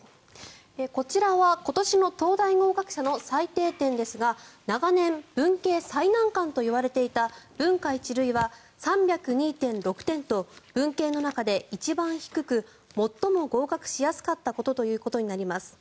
こちらは今年の東大合格者の最低点ですが長年、文系最難関といわれていた文科一類は３０２．６点と文系の中で一番低く最も合格しやすかったということになります。